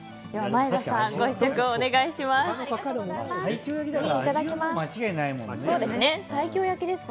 前田さんご試食をお願いします。